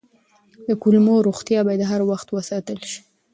د کولمو روغتیا باید هر وخت وساتل شي.